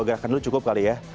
dua gerakan lu cukup kali ya